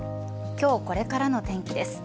今日、これからの天気です。